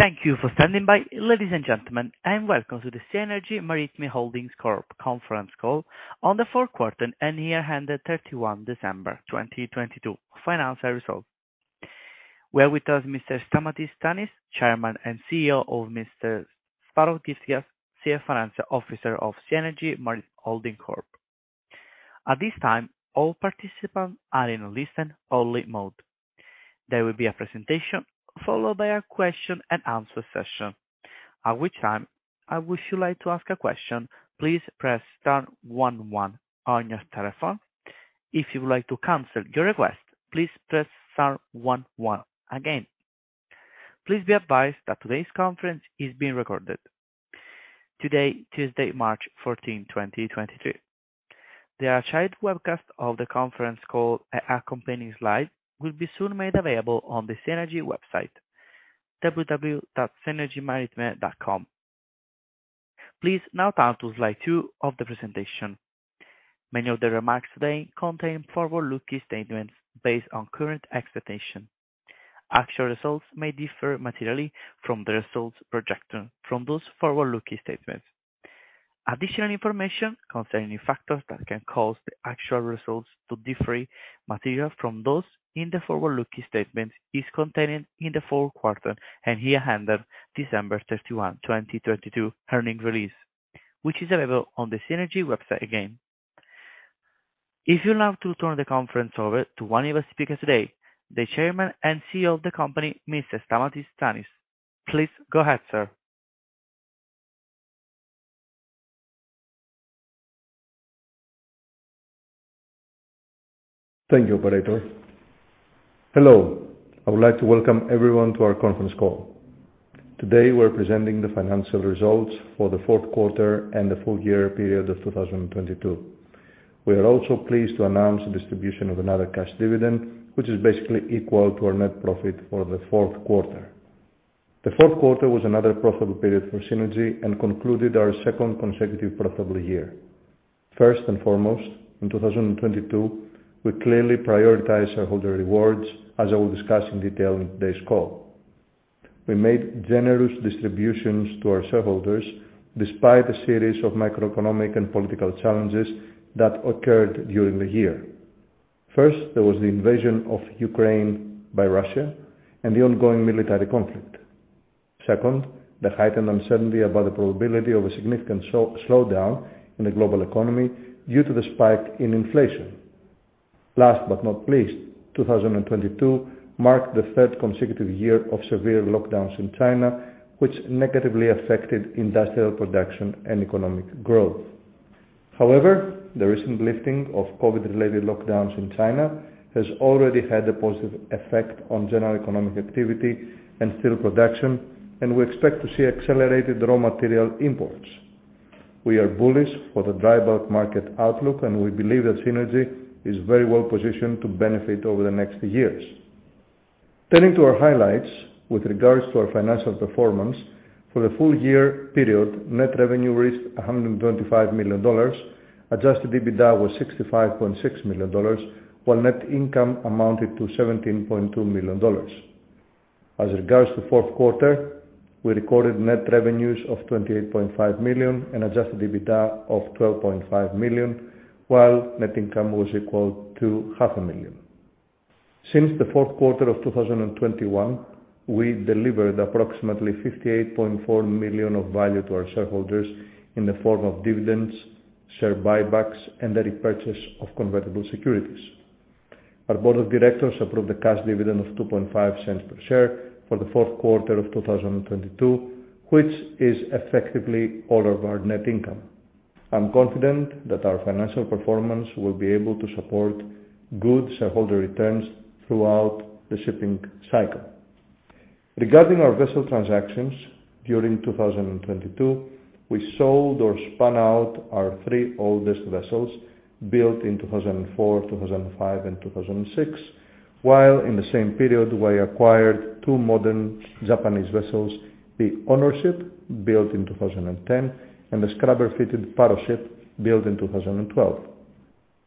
Thank you for standing by, ladies and gentlemen. Welcome to the Seanergy Maritime Holdings Corp. conference call on the fourth quarter and year ended December 31, 2022 financial results. We have with us Mr. Stamatis Tsantanis, Chairman and CEO, of Mr. Stavros Gyftakis, Chief Financial Officer of Seanergy Maritime Holdings Corp. At this time, all participants are in a listen-only mode. There will be a presentation followed by a question and answer session. At which time, if you would like to ask a question, please press star one one on your telephone. If you would like to cancel your request, please press star one one again. Please be advised that today's conference is being recorded. Today, Tuesday, March 14, 2023. The archived webcast of the conference call and accompanying slides will be soon made available on the Seanergy website, www.seanergymaritime.com. Please now turn to slide two of the presentation. Many of the remarks today contain forward-looking statements based on current expectation. Actual results may differ materially from the results projected from those forward-looking statements. Additional information concerning factors that can cause the actual results to differ materially from those in the forward-looking statements is contained in the fourth quarter and year ended December 31, 2022 earnings release, which is available on the Seanergy website again. If you'll now to turn the conference over to one of the speakers today, the Chairman and CEO of the company, Mr. Stamatis Tsantanis. Please go ahead, sir. Thank you, operator. Hello. I would like to welcome everyone to our conference call. Today, we're presenting the financial results for the fourth quarter and the full year period of 2022. We are also pleased to announce the distribution of another cash dividend, which is basically equal to our net profit for the fourth quarter. The fourth quarter was another profitable period for Seanergy and concluded our second consecutive profitable year. First and foremost, in 2022, we clearly prioritized shareholder rewards, as I will discuss in detail in today's call. We made generous distributions to our shareholders despite a series of macroeconomic and political challenges that occurred during the year. First, there was the invasion of Ukraine by Russia and the ongoing military conflict. Second, the heightened uncertainty about the probability of a significant slowdown in the global economy due to the spike in inflation. Last but not least, 2022 marked the third consecutive year of severe lockdowns in China, which negatively affected industrial production and economic growth. However, the recent lifting of COVID-related lockdowns in China has already had a positive effect on general economic activity and steel production, and we expect to see accelerated raw material imports. We are bullish for the dry bulk market outlook, and we believe that Seanergy is very well-positioned to benefit over the next years. Turning to our highlights with regards to our financial performance. For the full year period, net revenue reached $125 million, Adjusted EBITDA was $65.6 million, while net income amounted to $17.2 million. As regards to fourth quarter, we recorded net revenues of $28.5 million and Adjusted EBITDA of $12.5 million, while net income was equal to $500,000. Since the fourth quarter of 2021, we delivered approximately $58.4 million of value to our shareholders in the form of dividends, share buybacks, and the repurchase of convertible securities. Our board of directors approved a cash dividend of $0.025 per share for the fourth quarter of 2022, which is effectively all of our net income. I'm confident that our financial performance will be able to support good shareholder returns throughout the shipping cycle. Regarding our vessel transactions, during 2022, we sold or spun out our three oldest vessels built in 2004, 2005, and 2006, while in the same period, we acquired two modern Japanese vessels, the Honorship, built in 2010, and the scrubber-fitted Paroship, built in 2012.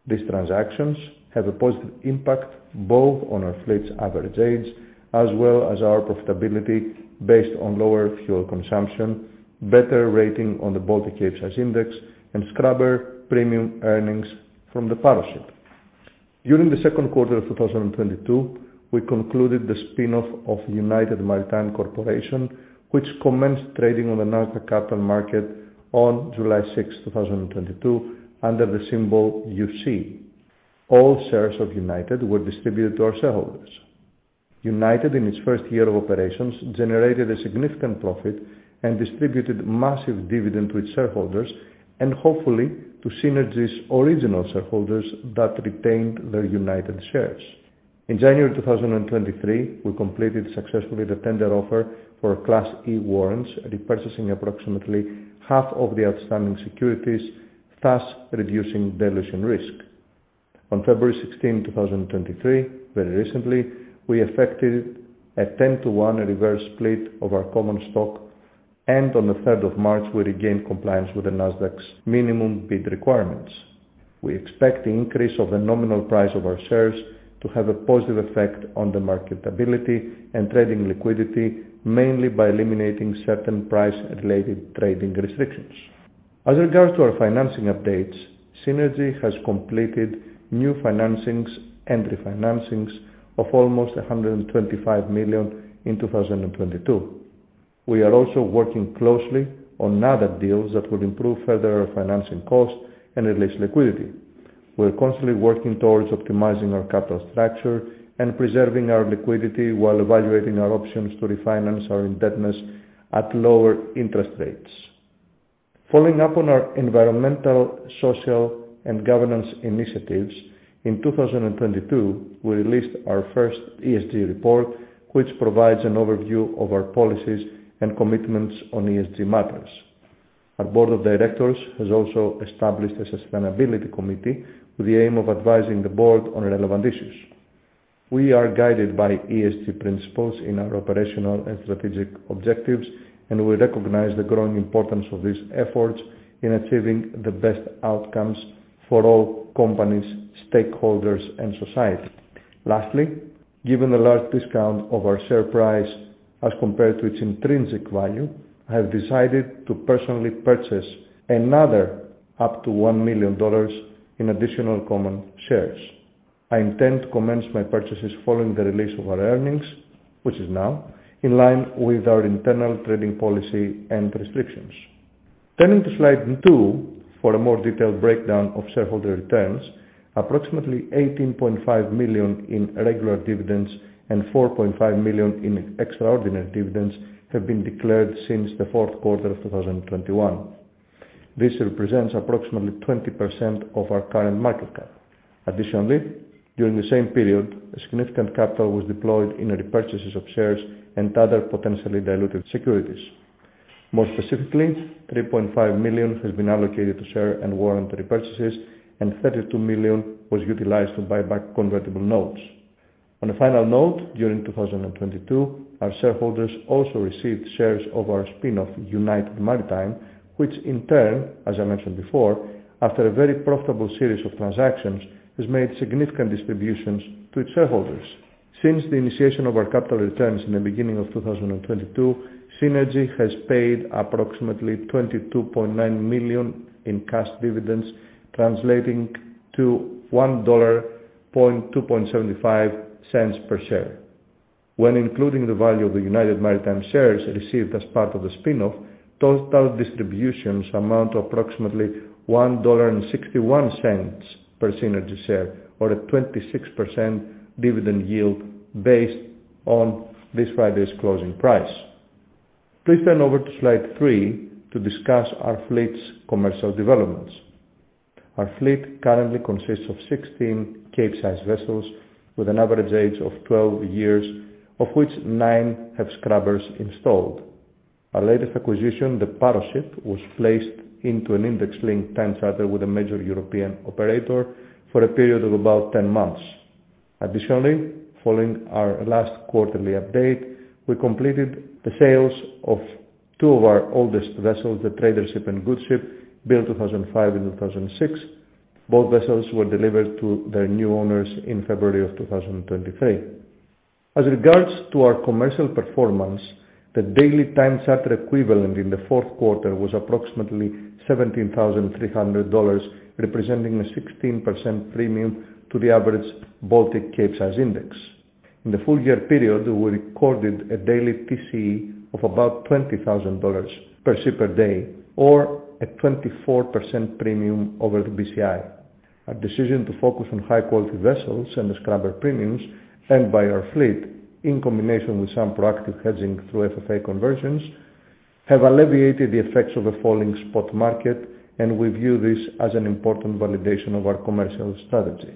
These transactions have a positive impact both on our fleet's average age as well as our profitability based on lower fuel consumption, better rating on the Baltic Capesize Index, and scrubber premium earnings from the Paroship. During the second quarter of 2022, we concluded the spin-off of United Maritime Corporation, which commenced trading on the Nasdaq Capital Market on July 6th, 2022, under the symbol USEA. All shares of United were distributed to our shareholders. United, in its first year of operations, generated a significant profit and distributed massive dividend to its shareholders and hopefully to Seanergy's original shareholders that retained their United shares. In January 2023, we completed successfully the tender offer for Class E warrants, repurchasing approximately half of the outstanding securities, thus reducing dilution risk. On February 16, 2023, very recently, we effected a 10-to-1 reverse split of our common stock. On the 3rd of March, we regained compliance with the Nasdaq's minimum bid requirements. We expect the increase of the nominal price of our shares to have a positive effect on the marketability and trading liquidity, mainly by eliminating certain price-related trading restrictions. As regards to our financing updates, Seanergy has completed new financings and refinancings of almost $125 million in 2022. We are also working closely on other deals that will improve further our financing costs and release liquidity. We are constantly working towards optimizing our capital structure and preserving our liquidity while evaluating our options to refinance our indebtedness at lower interest rates. Following up on our environmental, social, and governance initiatives, in 2022, we released our first ESG report, which provides an overview of our policies and commitments on ESG matters. Our board of directors has also established a sustainability committee with the aim of advising the board on relevant issues. We are guided by ESG principles in our operational and strategic objectives, and we recognize the growing importance of these efforts in achieving the best outcomes for all companies, stakeholders, and society. Given the large discount of our share price as compared to its intrinsic value, I have decided to personally purchase another up to $1 million in additional common shares. I intend to commence my purchases following the release of our earnings, which is now in line with our internal trading policy and restrictions. Turning to slide two for a more detailed breakdown of shareholder returns, approximately $18.5 million in regular dividends and $4.5 million in extraordinary dividends have been declared since the fourth quarter of 2021. This represents approximately 20% of our current market cap. During the same period, a significant capital was deployed in repurchases of shares and other potentially diluted securities. More specifically, $3.5 million has been allocated to share and warrant repurchases, and $32 million was utilized to buy back convertible notes. On a final note, during 2022, our shareholders also received shares of our spin-off, United Maritime, which in turn, as I mentioned before, after a very profitable series of transactions, has made significant distributions to its shareholders. Since the initiation of our capital returns in the beginning of 2022, Seanergy has paid approximately $22.9 million in cash dividends, translating to $0.0275 per share. When including the value of the United Maritime shares received as part of the spin-off, total distributions amount to approximately $1.61 per Seanergy share, or a 26% dividend yield based on this Friday's closing price. Please turn over to slide three to discuss our fleet's commercial developments. Our fleet currently consists of 16 Capesize vessels with an average age of 12 years, of which nine have scrubbers installed. Our latest acquisition, the Paroship, was placed into an index-linked time charter with a major European operator for a period of about 10 months. Additionally, following our last quarterly update, we completed the sales of two of our oldest vessels, the Tradership and Goodship, built in 2005 and 2006. Both vessels were delivered to their new owners in February of 2023. As regards to our commercial performance, the daily time charter equivalent in the fourth quarter was approximately $17,300, representing a 16% premium to the average Baltic Capesize Index. In the full year period, we recorded a daily TCE of about $20,000 per ship per day or a 24% premium over the BCI. Our decision to focus on high-quality vessels and the scrubber premiums and buy our fleet in combination with some proactive hedging through FFA conversions have alleviated the effects of a falling spot market. We view this as an important validation of our commercial strategy.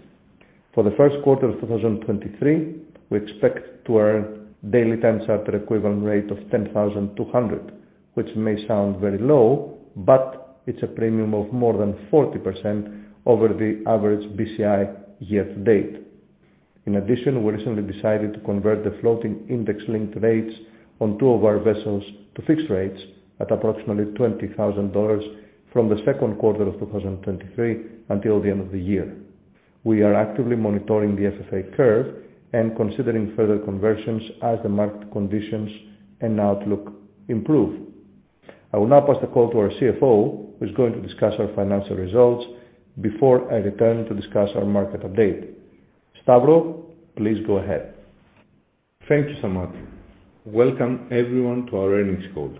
For the first quarter of 2023, we expect to earn daily time charter equivalent rate of $10,200, which may sound very low, but it's a premium of more than 40% over the average BCI year-to-date. In addition, we recently decided to convert the floating index-linked rates on two of our vessels to fixed rates at approximately $20,000 from the second quarter of 2023 until the end of the year. We are actively monitoring the FFA curve and considering further conversions as the market conditions and outlook improve. I will now pass the call to our CFO, who's going to discuss our financial results before I return to discuss our market update. Stavros, please go ahead. Thank you, Stamatis. Welcome everyone to our earnings call.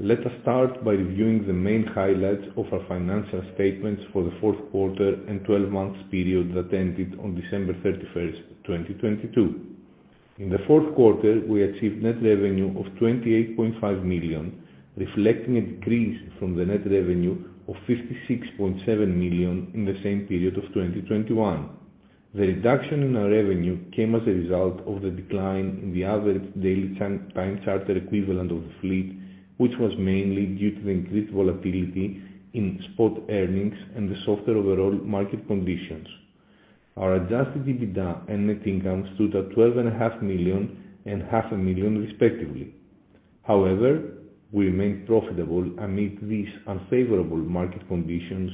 Let us start by reviewing the main highlights of our financial statements for the fourth quarter and 12 months period that ended on December 31st, 2022. In the fourth quarter, we achieved net revenue of $28.5 million, reflecting a decrease from the net revenue of $56.7 million in the same period of 2021. The reduction in our revenue came as a result of the decline in the average daily time charter equivalent of the fleet, which was mainly due to the increased volatility in spot earnings and the softer overall market conditions. Our Adjusted EBITDA and net income stood at $12.5 million and $500,000 respectively. However, we remain profitable amid these unfavorable market conditions,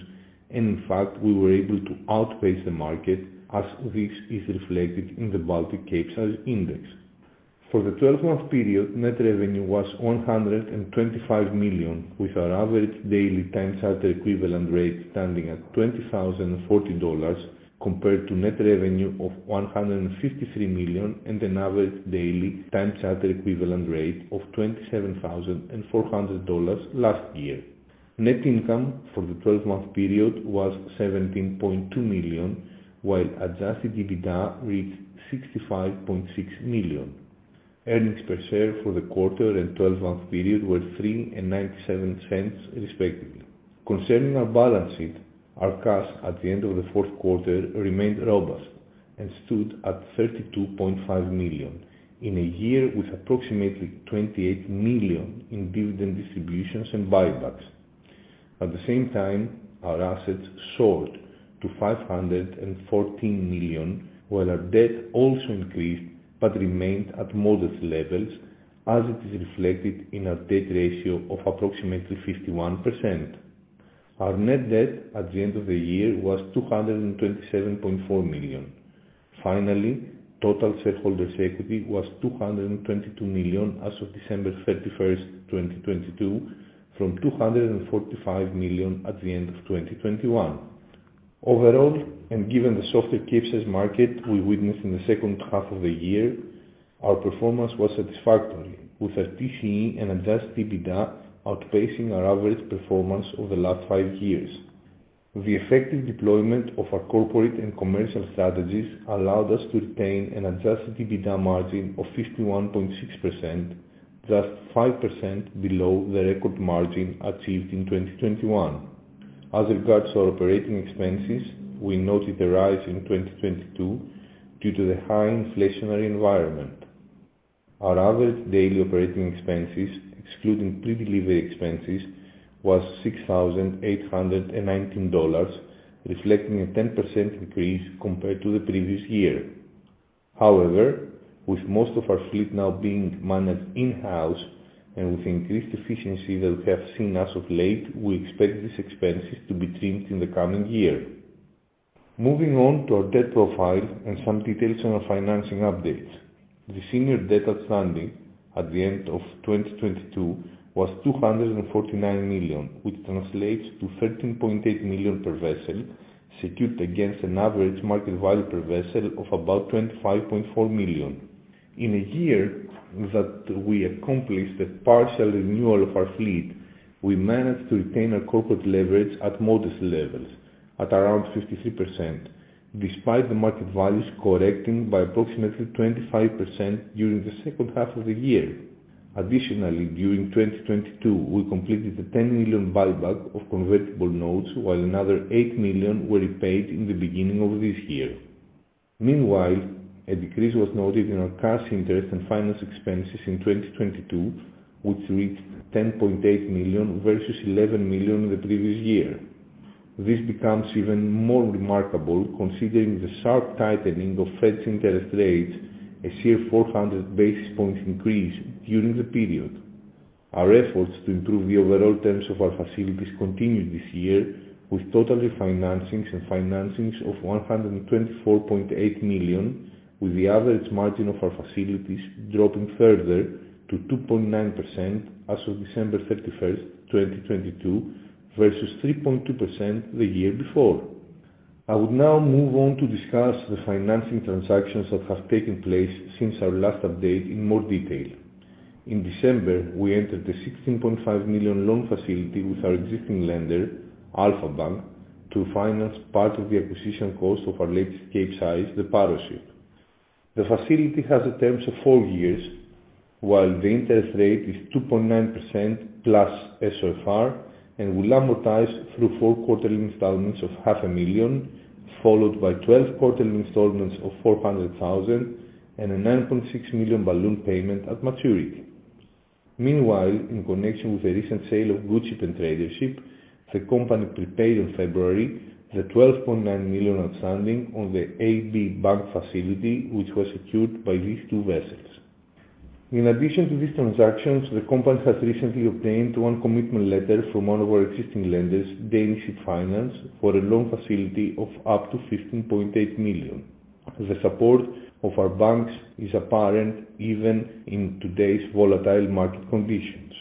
and in fact, we were able to outpace the market as this is reflected in the Baltic Capesize Index. For the 12-month period, net revenue was $125 million, with our average daily time charter equivalent rate standing at $20,040 compared to net revenue of $153 million and an average daily time charter equivalent rate of $27,400 last year. Net income for the 12-month period was $17.2 million, while Adjusted EBITDA reached $65.6 million. Earnings per share for the quarter and 12-month period were $3.97 respectively. Concerning our balance sheet, our cash at the end of the fourth quarter remained robust and stood at $32.5 million in a year with approximately $28 million in dividend distributions and buybacks. At the same time, our assets soared to $514 million, while our debt also increased but remained at modest levels as it is reflected in our debt ratio of approximately 51%. Our net debt at the end of the year was $227.4 million. Total shareholders' equity was $222 million as of December 31st, 2022, from $245 million at the end of 2021. Overall, given the softer Capesize market we witnessed in the second half of the year, our performance was satisfactory, with our TCE and Adjusted EBITDA outpacing our average performance over the last five years. The effective deployment of our corporate and commercial strategies allowed us to retain an Adjusted EBITDA margin of 51.6%, just 5% below the record margin achieved in 2021. As regards our operating expenses, we noted a rise in 2022 due to the high inflationary environment. Our average daily operating expenses, excluding pre-delivery expenses, was $6,819, reflecting a 10% increase compared to the previous year. However, with most of our fleet now being managed in-house and with increased efficiency that we have seen as of late, we expect these expenses to be trimmed in the coming year. Moving on to our debt profile and some details on our financing updates. The senior debt outstanding at the end of 2022 was $249 million, which translates to $13.8 million per vessel secured against an average market value per vessel of about $25.4 million. In a year that we accomplished a partial renewal of our fleet, we managed to retain our corporate leverage at modest levels at around 53%, despite the market values correcting by approximately 25% during the second half of the year. During 2022, we completed the $10 million buyback of convertible notes, while another $8 million were repaid in the beginning of this year. A decrease was noted in our cash interest and finance expenses in 2022, which reached $10.8 million versus $11 million the previous year. This becomes even more remarkable considering the sharp tightening of Fed's interest rates, a sheer 400 basis points increase during the period. Our efforts to improve the overall terms of our facilities continued this year with total refinancings and financings of $124.8 million, with the average margin of our facilities dropping further to 2.9% as of December 31st, 2022 versus 3.2% the year before. I would now move on to discuss the financing transactions that have taken place since our last update in more detail. In December, we entered the $16.5 million loan facility with our existing lender, Alpha Bank, to finance part of the acquisition cost of our latest Capesize, the Paroship. The facility has a term of 4 years, while the interest rate is 2.9%+ SOFR and will amortize through four quarterly installments of $500,00 followed by 12 quarterly installments of $400,000 and a $9.6 million balloon payment at maturity. In connection with the recent sale of Goodship and Tradership, the company prepaid in February the $12.9 million outstanding on the AB Bank facility, which was secured by these two vessels. In addition to these transactions, the company has recently obtained one commitment letter from one of our existing lenders, Danish Ship Finance, for a loan facility of up to $15.8 million. The support of our banks is apparent even in today's volatile market conditions.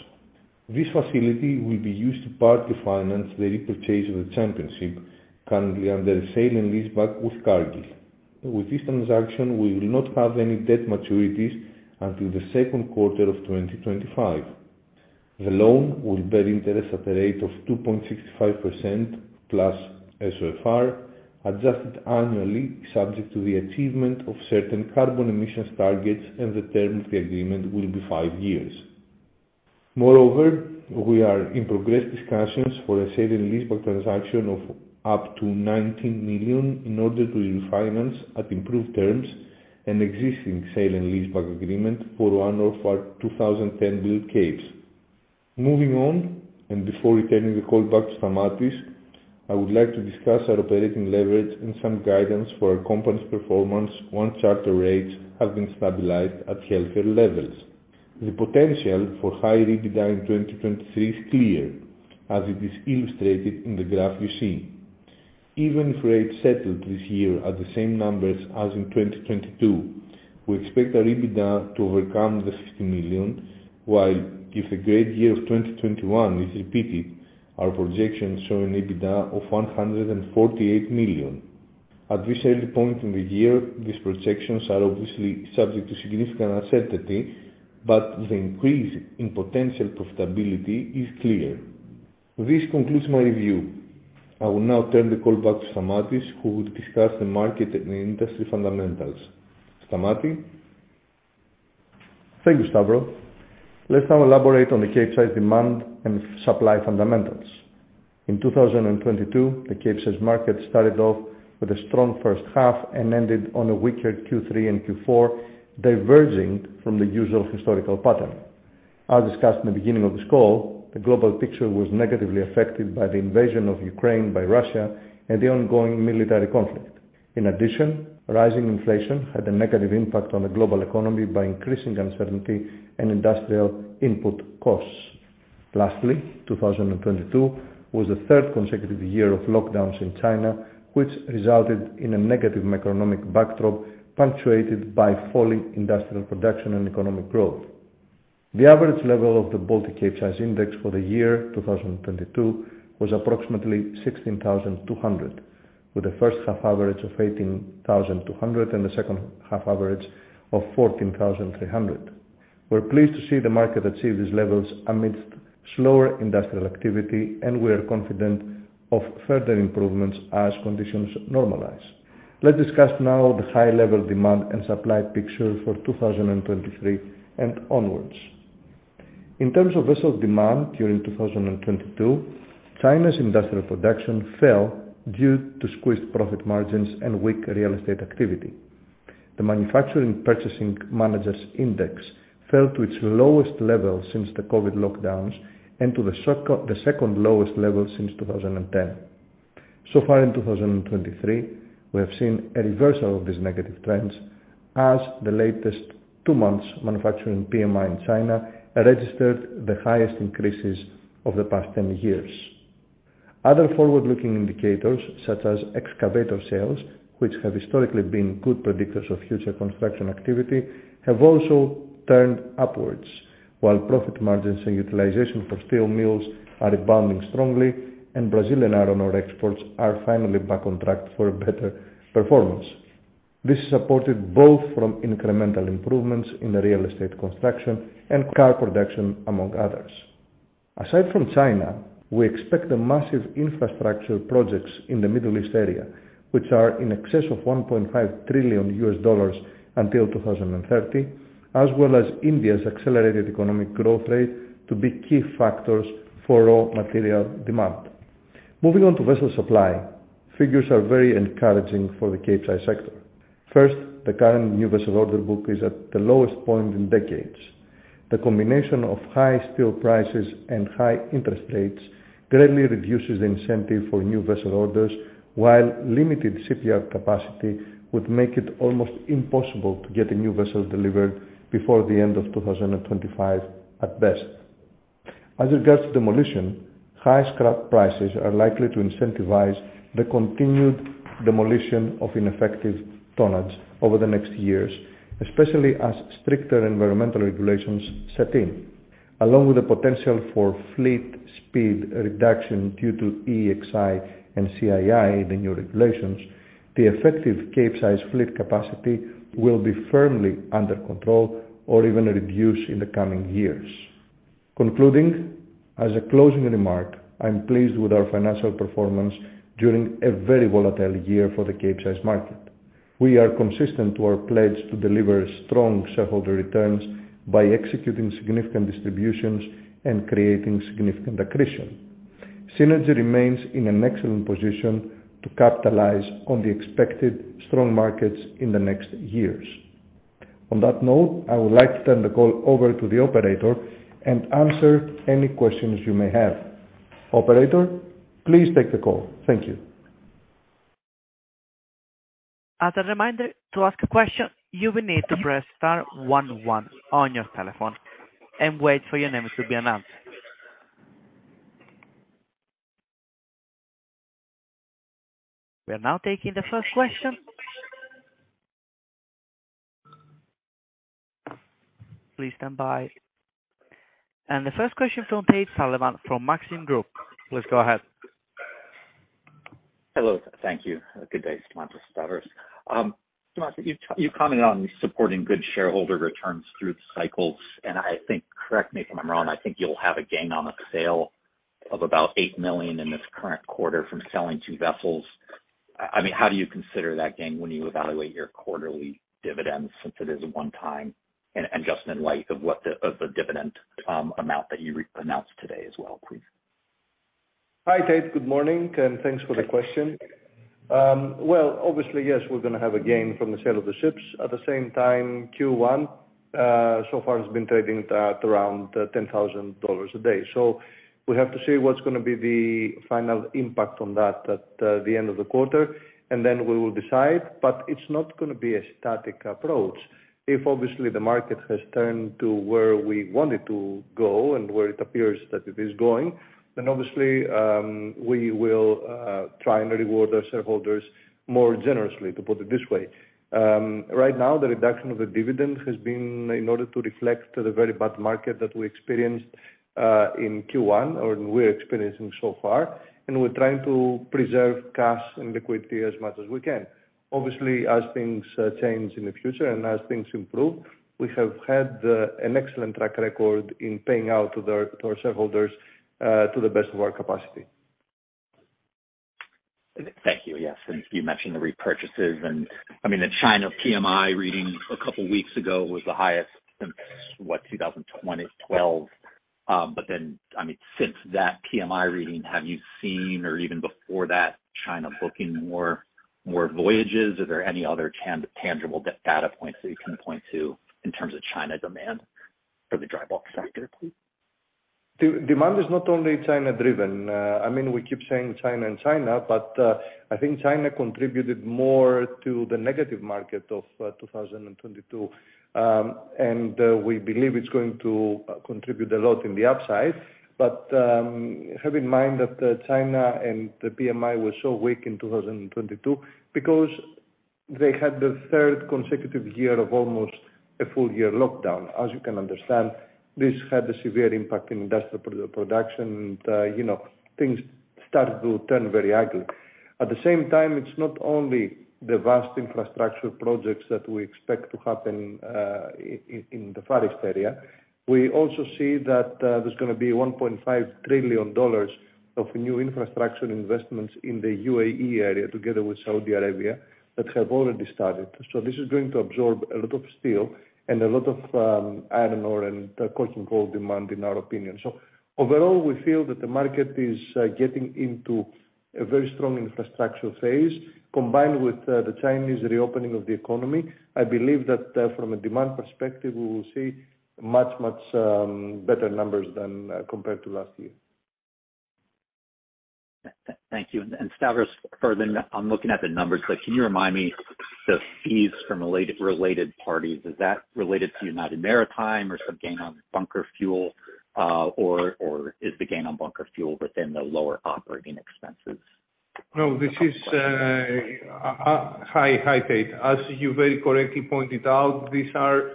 This facility will be used in part to finance the repurchase of the Championship currently under sale and leaseback with Cargill. With this transaction, we will not have any debt maturities until the second quarter of 2025. The loan will bear interest at a rate of 2.65%+ SOFR, adjusted annually subject to the achievement of certain carbon emissions targets. The term of the agreement will be five years. Moreover, we are in progress discussions for a sale and leaseback transaction of up to $19 million in order to refinance at improved terms an existing sale and leaseback agreement for one of our 2010-built Capesize. Moving on, before returning the call back to Stamatis, I would like to discuss our operating leverage and some guidance for our company's performance once charter rates have been stabilized at healthier levels. The potential for high EBITDA in 2023 is clear, as it is illustrated in the graph you see. Even if rates settled this year at the same numbers as in 2022, we expect our EBITDA to overcome the $50 million, while if the great year of 2021 is repeated, our projections show an EBITDA of $148 million. At this early point in the year, these projections are obviously subject to significant uncertainty, but the increase in potential profitability is clear. This concludes my review. I will now turn the call back to Stamatis, who will discuss the market and industry fundamentals. Stamatis? Thank you, Stavros. Let's now elaborate on the Capesize demand and supply fundamentals. In 2022, the Capesize market started off with a strong first half and ended on a weaker Q3 and Q4, diverging from the usual historical pattern. As discussed in the beginning of this call, the global picture was negatively affected by the invasion of Ukraine by Russia and the ongoing military conflict. In addition, rising inflation had a negative impact on the global economy by increasing uncertainty and industrial input costs. Lastly, 2022 was the third consecutive year of lockdowns in China, which resulted in a negative macroeconomic backdrop punctuated by falling industrial production and economic growth. The average level of the Baltic Capesize Index for the year 2022 was approximately 16,200, with a first-half average of 18,200 and a second-half average of 14,300. We're pleased to see the market achieve these levels amidst slower industrial activity. We are confident of further improvements as conditions normalize. Let's discuss now the high-level demand and supply picture for 2023 and onwards. In terms of vessel demand during 2022, China's industrial production fell due to squeezed profit margins and weak real estate activity. The Manufacturing Purchasing Managers' Index fell to its lowest level since the COVID lockdowns and to the second lowest level since 2010. In 2023, we have seen a reversal of these negative trends as the latest two months manufacturing PMI in China registered the highest increases of the past 10 years. Other forward-looking indicators, such as excavator sales, which have historically been good predictors of future construction activity, have also turned upwards, while profit margins and utilization for steel mills are rebounding strongly and Brazilian iron ore exports are finally back on track for a better performance. This is supported both from incremental improvements in the real estate construction and car production, among others. Aside from China, we expect the massive infrastructure projects in the Middle East area, which are in excess of $1.5 trillion until 2030, as well as India's accelerated economic growth rate to be key factors for raw material demand. Moving on to vessel supply, figures are very encouraging for the Capesize sector. The current new vessel order book is at the lowest point in decades. The combination of high steel prices and high interest rates greatly reduces the incentive for new vessel orders, while limited shipyard capacity would make it almost impossible to get a new vessel delivered before the end of 2025 at best. As regards to demolition, high scrap prices are likely to incentivize the continued demolition of ineffective tonnage over the next years, especially as stricter environmental regulations set in. Along with the potential for fleet speed reduction due to EEXI and CII, the new regulations, the effective Capesize fleet capacity will be firmly under control or even reduce in the coming years. Concluding, as a closing remark, I am pleased with our financial performance during a very volatile year for the Capesize market. We are consistent to our pledge to deliver strong shareholder returns by executing significant distributions and creating significant accretion. Seanergy remains in an excellent position to capitalize on the expected strong markets in the next years. On that note, I would like to turn the call over to the operator and answer any questions you may have. Operator, please take the call. Thank you. As a reminder, to ask a question, you will need to press star one one on your telephone and wait for your name to be announced. We are now taking the first question. Please stand by. The first question from Tate Sullivan from Maxim Group. Please go ahead. Hello. Thank you. Good day, Stamatis, Stavros. Stamatis, you commented on supporting good shareholder returns through the cycles, I think, correct me if I'm wrong, I think you'll have a gain on the sale of about $8 million in this current quarter from selling two vessels. I mean, how do you consider that gain when you evaluate your quarterly dividends since it is one time, just in light of what of the dividend amount that you re-announced today as well, please? Hi, Tate. Good morning and thanks for the question. Well, obviously, yes, we're gonna have a gain from the sale of the ships. At the same time, Q1, so far has been trading at around $10,000 a day. We have to see what's gonna be the final impact on that at the end of the quarter, and then we will decide. It's not gonna be a static approach. If obviously the market has turned to where we want it to go and where it appears that it is going, then obviously, we will try and reward our shareholders more generously, to put it this way. Right now, the reduction of the dividend has been in order to reflect the very bad market that we experienced in Q1 or we're experiencing so far. We're trying to preserve cash and liquidity as much as we can. Obviously, as things change in the future and as things improve, we have had an excellent track record in paying out to our shareholders to the best of our capacity. Thank you. Yes, you mentioned the repurchases and, I mean, the China PMI reading a couple weeks ago was the highest since, what, 2012. I mean, since that PMI reading, have you seen or even before that, China booking more voyages? Are there any other tangible data points that you can point to in terms of China demand for the dry bulk sector? De-demand is not only China-driven. I mean, we keep saying China and China, but I think China contributed more to the negative market of 2022. We believe it's going to contribute a lot in the upside. Have in mind that China and the PMI was so weak in 2022 because they had the third consecutive year of almost a full year lockdown. As you can understand, this had a severe impact in industrial production, and you know, things started to turn very ugly. At the same time, it's not only the vast infrastructure projects that we expect to happen in the Far East area. We also see that there's gonna be $1.5 trillion of new infrastructure investments in the UAE area together with Saudi Arabia that have already started. This is going to absorb a lot of steel and a lot of iron ore and coking coal demand, in our opinion. Overall, we feel that the market is getting into a very strong infrastructure phase combined with the Chinese reopening of the economy. I believe that from a demand perspective, we will see much, much better numbers than compared to last year. Thank you. Stavros, further, I'm looking at the numbers, but can you remind me the fees from related parties, is that related to United Maritime or some gain on bunker fuel, or is the gain on bunker fuel within the lower operating expenses? No, this is—hi, Tate. As you very correctly pointed out, these are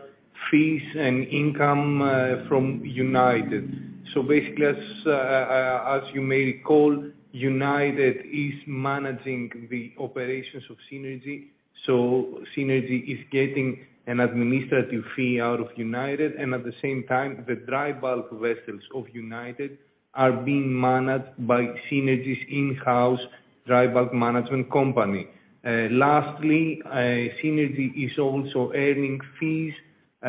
fees and income from United. Basically as you may recall, United is managing the operations of Seanergy. Seanergy is getting an administrative fee out of United. At the same time, the dry bulk vessels of United are being managed by Seanergy's in-house dry bulk management company. Lastly, Seanergy is also earning fees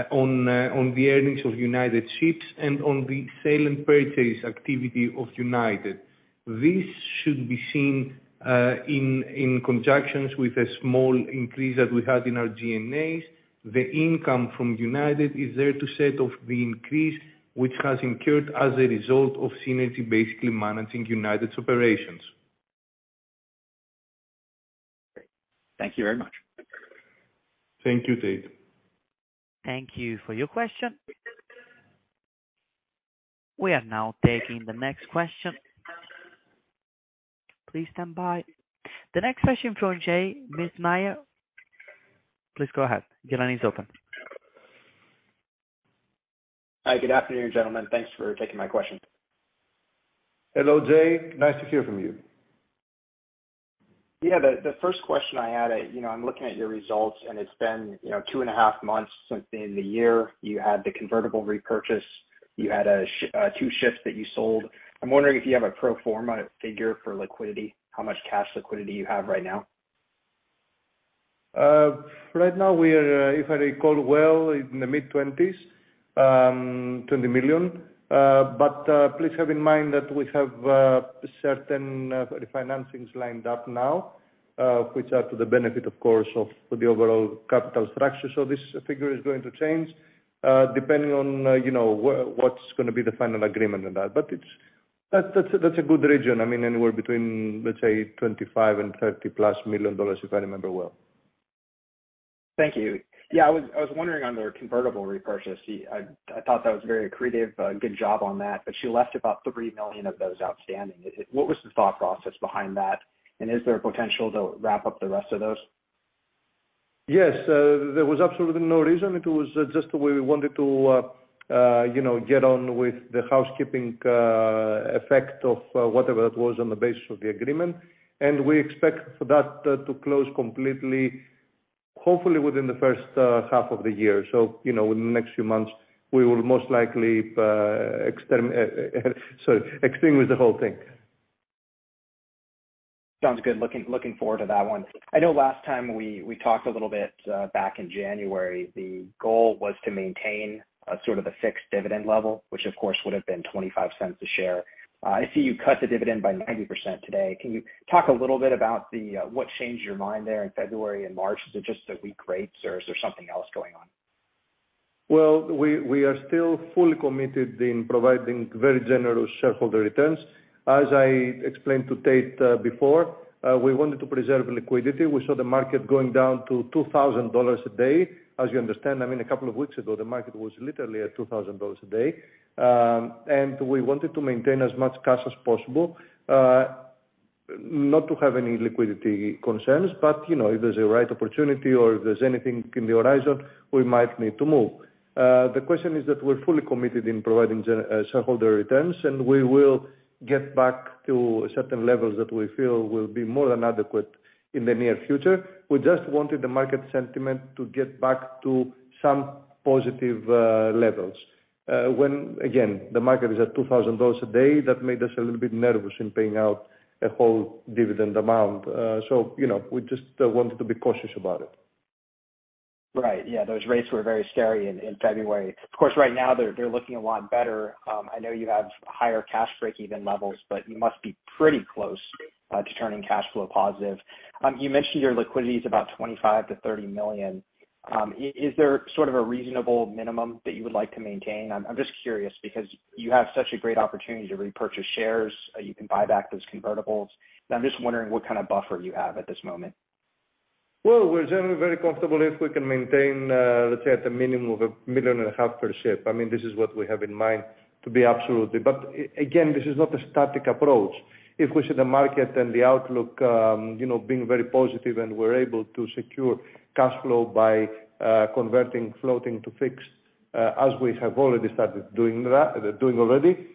on the earnings of United's ships and on the sale and purchase activity of United. This should be seen in conjunction with a small increase that we had in our G&A. The income from United is there to set off the increase which has incurred as a result of Seanergy basically managing United's operations. Thank you very much. Thank you, Tate. Thank you for your question. We are now taking the next question. Please stand by. The next question from J. Mintzmyer, please go ahead. Your line is open. Hi, good afternoon, gentlemen. Thanks for taking my question. Hello, J. Nice to hear from you. The first question I had, you know, I'm looking at your results. It's been, you know, two and a half months since the end of the year. You had the convertible repurchase, you had two ships that you sold. I'm wondering if you have a pro forma figure for liquidity, how much cash liquidity you have right now? Right now we are, if I recall well, in the mid-20s, $20 million. Please have in mind that we have certain refinancings lined up now, which are to the benefit, of course, of the overall capital structure. This figure is going to change, you know, what's gonna be the final agreement on that. That's a good region. I mean, anywhere between, let's say, $25 million and $30+ million, if I remember well. Thank you. I was wondering on the convertible repurchase. I thought that was very creative, good job on that, you left about $3 million of those outstanding. What was the thought process behind that, is there potential to wrap up the rest of those? Yes. Uh, there was absolutely no reason. It was just the way we wanted to, uh, uh, you know, get on with the housekeeping, uh, effect of, uh, whatever it was on the basis of the agreement. And we expect for that, uh, to close completely, hopefully within the first, uh, half of the year. So, you know, in the next few months we will most likely, uh, exterm—uh, uh, sorry, extinguish the whole thing. Sounds good. Looking forward to that one. I know last time we talked a little bit back in January, the goal was to maintain a sort of a fixed dividend level, which of course would have been $0.25 a share. I see you cut the dividend by 90% today. Can you talk a little bit about what changed your mind there in February and March? Is it just the weak rates or is there something else going on? We are still fully committed in providing very generous shareholder returns. As I explained to Tate before, we wanted to preserve liquidity. We saw the market going down to $2,000 a day. As you understand, I mean, a couple of weeks ago, the market was literally at $2,000 a day. We wanted to maintain as much cash as possible not to have any liquidity concerns, but, you know, if there's a right opportunity or if there's anything in the horizon, we might need to move. The question is that we're fully committed in providing shareholder returns, we will get back to certain levels that we feel will be more than adequate in the near future. We just wanted the market sentiment to get back to some positive levels. When, again, the market is at $2,000 a day, that made us a little bit nervous in paying out a whole dividend amount. You know, we just wanted to be cautious about it. Right. Yeah, those rates were very scary in February. Of course, right now they're looking a lot better. I know you have higher cash breakeven levels, but you must be pretty close to turning cash flow positive. You mentioned your liquidity is about $25 million-$30 million. Is there sort of a reasonable minimum that you would like to maintain? I'm just curious because you have such a great opportunity to repurchase shares, you can buy back those convertibles. I'm just wondering what kind of buffer you have at this moment. Well, we're generally very comfortable if we can maintain, let's say at a minimum of $1.5 million per ship. I mean, this is what we have in mind to be absolutely. Again, this is not a static approach. If we see the market and the outlook, you know, being very positive and we're able to secure cash flow by converting floating to fixed, as we have already started doing that already,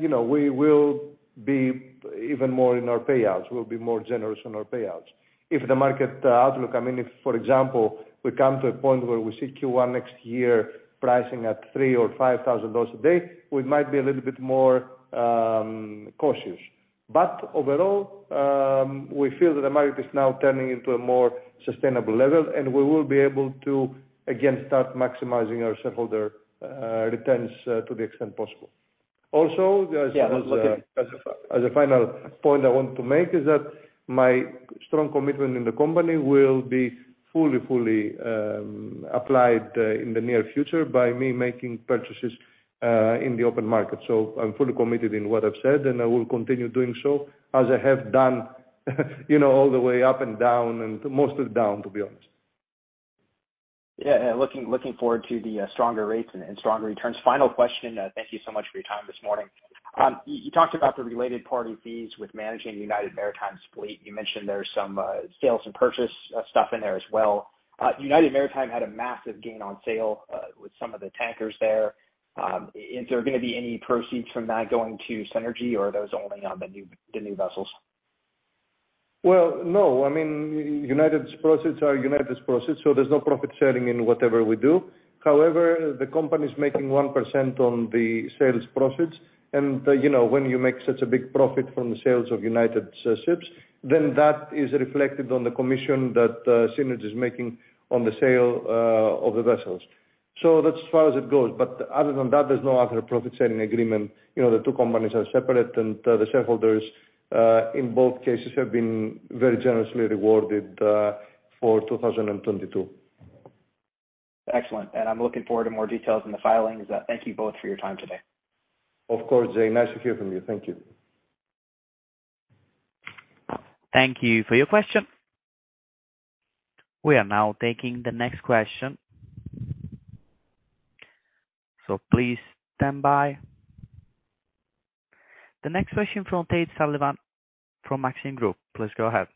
you know, we will be even more in our payouts. We'll be more generous on our payouts. If the market, outlook, I mean, if for example, we come to a point where we see Q1 next year pricing at $3,000 or $5,000 a day, we might be a little bit more cautious. Overall, we feel that the market is now turning into a more sustainable level, and we will be able to again start maximizing our shareholder returns to the extent possible. Yeah. As a final point I want to make is that my strong commitment in the company will be fully applied in the near future by me making purchases in the open market. I'm fully committed in what I've said, and I will continue doing so as I have done, you know, all the way up and down and mostly down, to be honest. Yeah. Looking forward to the stronger rates and stronger returns. Final question, thank you so much for your time this morning. You talked about the related party fees with managing United Maritime's fleet. You mentioned there's some sales and purchase stuff in there as well. United Maritime had a massive gain on sale with some of the tankers there. Is there gonna be any proceeds from that going to Seanergy or are those only on the new vessels? Well, no, I mean, United's proceeds are United's proceeds, so there's no profit sharing in whatever we do. However, the company's making 1% on the sales profits and, you know, when you make such a big profit from the sales of United's ships, then that is reflected on the commission that Seanergy is making on the sale of the vessels. That's as far as it goes. Other than that, there's no other profit sharing agreement. You know, the two companies are separate and the shareholders in both cases have been very generously rewarded for 2022. Excellent. I'm looking forward to more details in the filings. Thank you both for your time today. Of course, J. Nice to hear from you. Thank you. Thank you for your question. We are now taking the next question. Please stand by. The next question from Tate Sullivan from Maxim Group. Please go ahead.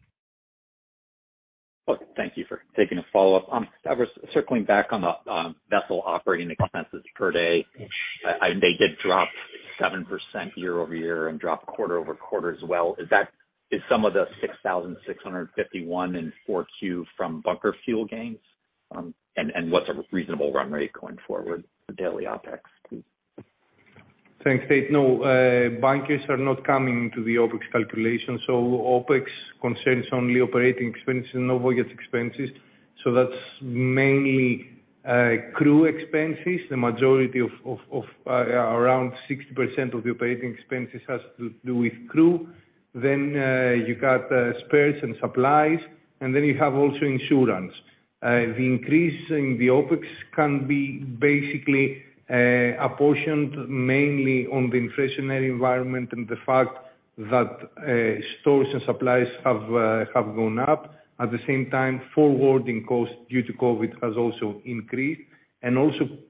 Thank you for taking a follow-up. Stavros, I was circling back on the vessel operating expenses per day. They did drop 7% year-over-year and drop quarter-over-quarter as well. Is some of the $6,651 in 4Q from bunker fuel gains? What's a reasonable run rate going forward for daily OpEx please? Thanks, Tate. No, bunkers are not coming to the OpEx calculation. OpEx concerns only operating expenses and overhead expenses. That's mainly crew expenses. The majority of around 60% of the operating expenses has to do with crew. You got spares and supplies, you have also insurance. The increase in the OpEx can be basically apportioned mainly on the inflationary environment and the fact that stores and supplies have gone up. At the same time, forwarding costs due to COVID has also increased.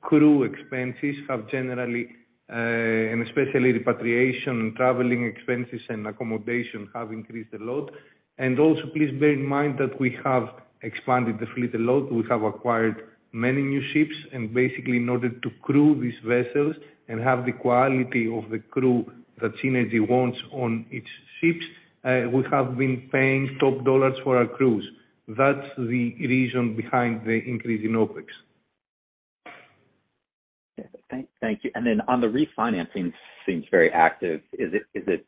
Crew expenses have generally, and especially repatriation and traveling expenses and accommodation have increased a lot. Please bear in mind that we have expanded the fleet a lot. We have acquired many new ships and basically in order to crew these vessels and have the quality of the crew that Seanergy wants on its ships, we have been paying top dollars for our crews. That's the reason behind the increase in OpEx. Thank you. Then on the refinancing seems very active. Is it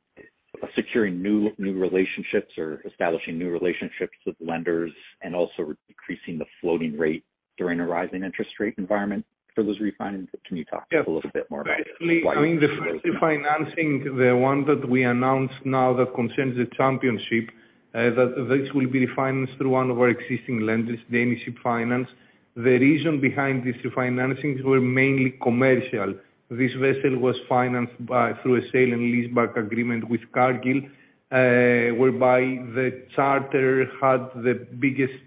securing new relationships or establishing new relationships with lenders and also decreasing the floating rate during a rising interest rate environment for those refinances? Can you talk a little bit more about it? I mean, the refinancing, the one that we announced now that concerns the Championship, that this will be financed through one of our existing lenders, the Danish Ship Finance. The reason behind this financings were mainly commercial. This vessel was financed through a sale and leaseback agreement with Cargill, whereby the charter had the biggest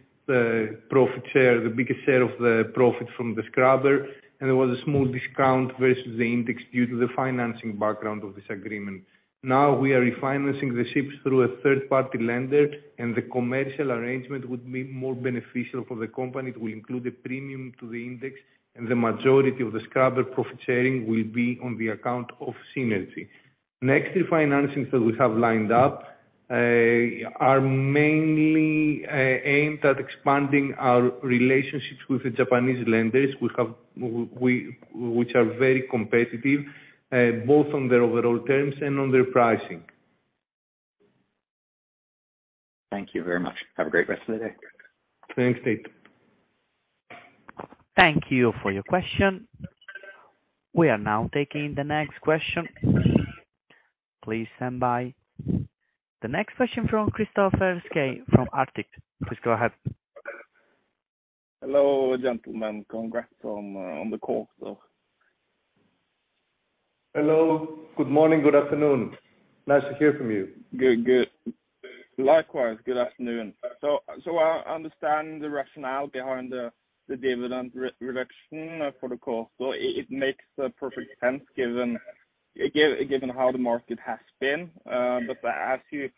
profit share, the biggest share of the profit from the scrubber, and there was a small discount versus the index due to the financing background of this agreement. Now we are refinancing the ships through a third-party lender, and the commercial arrangement would be more beneficial for the company to include the premium to the index, and the majority of the scrubber profit-sharing will be on the account of Seanergy. Next refinancings that we have lined up, are mainly aimed at expanding our relationships with the Japanese lenders. We have, which are very competitive, both on their overall terms and on their pricing. Thank you very much. Have a great rest of the day. Thanks, Tate. Thank you for your question. We are now taking the next question. Please stand by. The next question from Kristoffer Skeie from Arctic. Please go ahead. Hello, gentlemen. Congrats on the call, so. Hello. Good morning, good afternoon. Nice to hear from you. Good. Good. Likewise, good afternoon. I understand the rationale behind the dividend re-reduction for the call. It makes perfect sense given how the market has been. As you,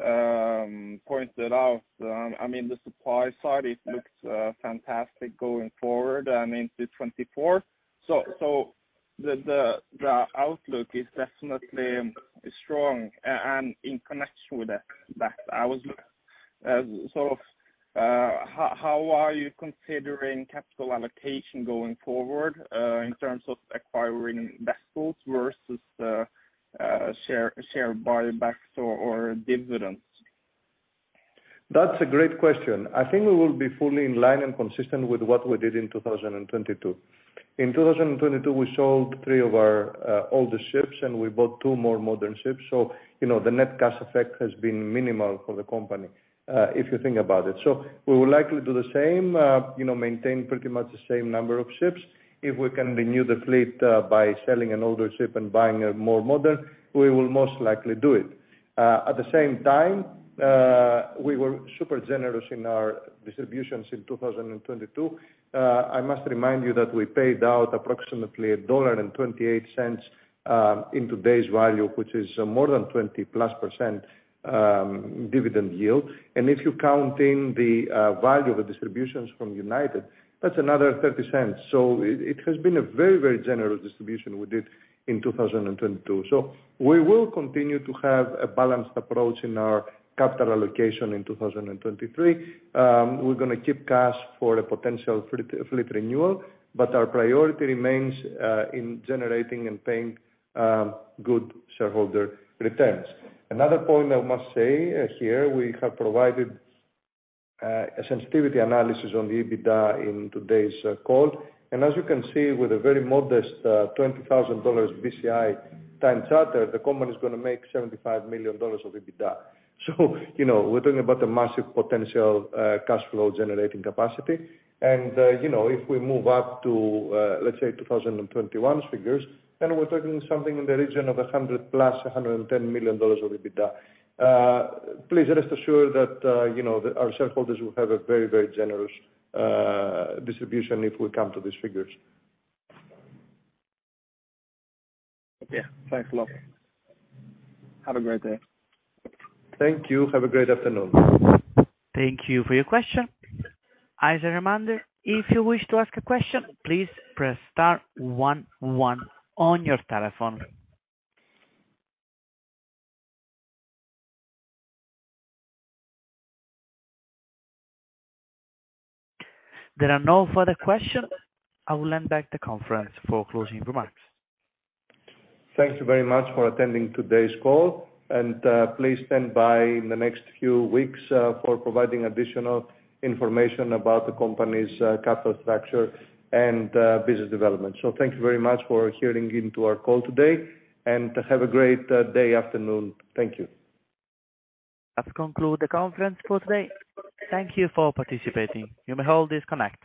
I mean, pointed out, I mean, the supply side, it looks fantastic going forward to 2024. The outlook is definitely strong. In connection with that, I was sort of how are you considering capital allocation going forward in terms of acquiring vessels versus share buybacks or dividends? That's a great question. I think we will be fully in line and consistent with what we did in 2022. We sold three of our older ships and we bought two more modern ships, so, you know, the net cash effect has been minimal for the company, if you think about it. We will likely do the same, you know, maintain pretty much the same number of ships. If we can renew the fleet, by selling an older ship and buying a more modern, we will most likely do it. At the same time, we were super generous in our distributions in 2022. I must remind you that we paid out approximately $1.28 in today's value, which is more than 20%+ dividend yield. If you count in the value of the distributions from United, that's another $0.30. It has been a very, very generous distribution we did in 2022. We will continue to have a balanced approach in our capital allocation in 2023. We're gonna keep cash for a potential fleet renewal, but our priority remains in generating and paying good shareholder returns. Another point I must say here, we have provided a sensitivity analysis on the EBITDA in today's call. As you can see, with a very modest $20,000 BCI times charter, the company is gonna make $75 million of EBITDA. You know, we're talking about a massive potential cash flow generating capacity. You know, if we move up to, let's say, 2021's figures, then we're talking something in the region of $100+ million, $110 million of EBITDA. Please rest assured that, you know, our shareholders will have a very, very generous distribution if we come to these figures. Yeah. Thanks a lot. Have a great day. Thank you. Have a great afternoon. Thank you for your question. As a reminder, if you wish to ask a question, please press star one one on your telephone. There are no further questions. I will hand back to conference for closing remarks. Thank you very much for attending today's call. Please stand by in the next few weeks for providing additional information about the company's capital structure and business development. Thank you very much for hearing into our call today, and have a great day, afternoon. Thank you. That conclude the conference for today. Thank you for participating. You may all disconnect.